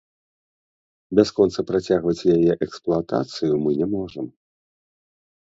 Бясконца працягваць яе эксплуатацыю мы не можам.